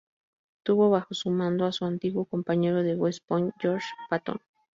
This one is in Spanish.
Tuvo bajo su mando a su antiguo compañero de West Point, George Patton.